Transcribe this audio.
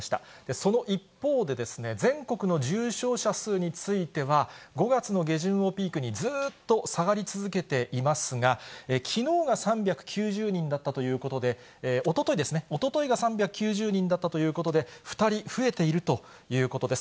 その一方で、全国の重症者数については、５月の下旬をピークに、ずーっと下がり続けていますが、きのうが３９０人だったということで、おととい、おとといが３９０人だったということで、２人増えているということです。